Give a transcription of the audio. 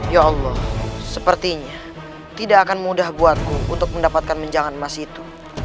ya allah sepertinya tidak akan mudah buatku untuk mendapatkan menjangan emas itu